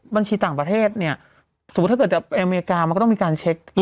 บัญชีต่างประเทศเนี่ยสมมุติถ้าเกิดจะไปอเมริกามันก็ต้องมีการเช็ค